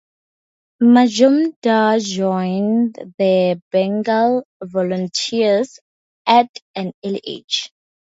Majumdar joined the Bengal Volunteers at an early age.